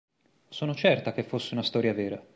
Sono certa che fosse una storia vera.